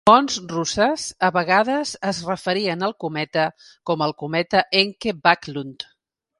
Fonts russes a vegades es referien al cometa com el cometa Encke-Backlund.